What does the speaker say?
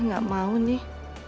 gak mau nih